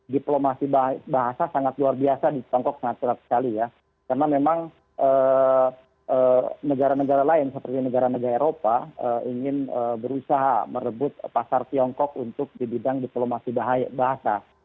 diplomasi bahasa sangat luar biasa di tiongkok sangat berat sekali ya karena memang negara negara lain seperti negara negara eropa ingin berusaha merebut pasar tiongkok untuk di bidang diplomasi bahasa